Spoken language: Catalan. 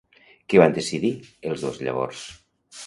Què van decidir els dos llavors?